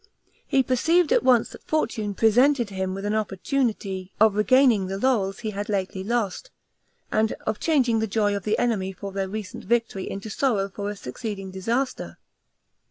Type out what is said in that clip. He perceived at once that fortune presented him with an opportunity of regaining the laurels he had lately lost, and of changing the joy of the enemy for their recent victory into sorrow for a succeeding disaster.